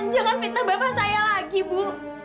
jangan fitnah bapak saya lagi bu